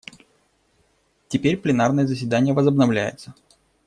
Теперь пленарное заседание возобновляется.